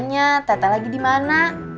nanya teteh lagi dimana